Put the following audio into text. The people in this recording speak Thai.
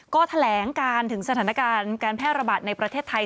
ก็แถลงการถึงสถานการณ์การแพร่ระบาดในประเทศไทย